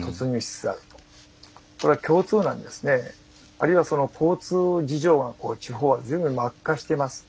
あるいは交通事情が地方はずいぶん悪化しています。